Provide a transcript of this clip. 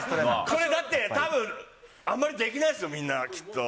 これだって、たぶん、あんまりできないっすよ、みんな、きっと。